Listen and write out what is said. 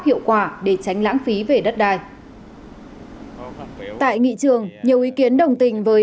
hiệu quả để tránh lãng phí về đất đai tại nghị trường nhiều ý kiến đồng tình với